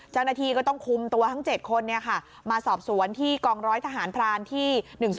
เจ้าหน้าที่ก็ต้องคุมตัวทั้ง๗คนมาสอบสวนที่กองร้อยทหารพรานที่๑๒